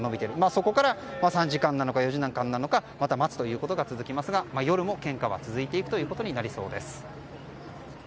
そこから３時間か４時間かまた待つということが続きますが夜も献花は続いていくことになりそうです。